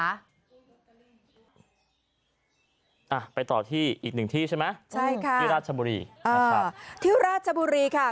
อ่ะไปต่อที่อีกหนึ่งที่ใช่ไหมใช่ค่ะที่ราชบุรีนะครับที่ราชบุรีค่ะ